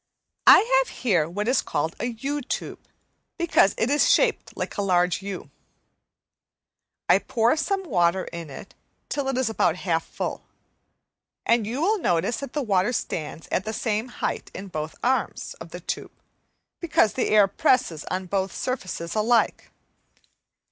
I have here what is called a U tube, because it is shaped like a large U. I pour some water in it till it is about half full, and you will notice that the water stands at the same height in both arms of the tube, because the air presses on both surfaces alike.